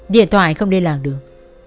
điện thoại không liên lạc được